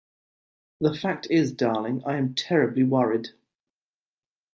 The fact is, darling, I am terribly worried.